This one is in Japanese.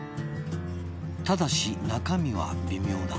「ただし中身は微妙だ」